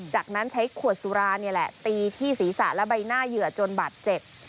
จากนั้นใช้ขวดสุรานี่แหละตีที่ศีรษะและใบหน้าเหยื่อจนบาดเจ็บ